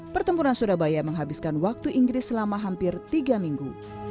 pertempuran surabaya menghabiskan waktu inggris selama hampir tiga minggu